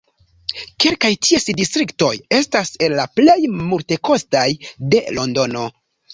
Kelkaj ties distriktoj estas el la plej multekostaj de Londono.